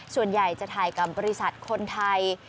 ส่วนใหญ่จะถ่ายกับบริษัทคนไทย